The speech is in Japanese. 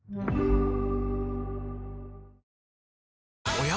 おや？